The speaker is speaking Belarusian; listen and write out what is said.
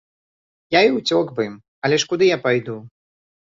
Я і ўцёк бы, але куды ж я пайду?